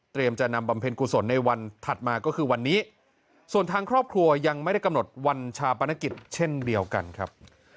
จะนำบำเพ็ญกุศลในวันถัดมาก็คือวันนี้ส่วนทางครอบครัวยังไม่ได้กำหนดวันชาปนกิจเช่นเดียวกันครับ